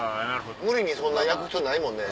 無理にそんな焼く必要ないもんね。